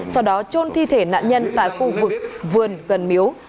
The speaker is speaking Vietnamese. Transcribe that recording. sau đó trôn thi thể nạn nhân tại khu vực vườn gần miếu